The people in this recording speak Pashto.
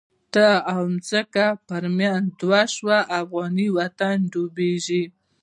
ته وا ځمکه په منځ دوه شوه، افغانی وطن ډوبیږی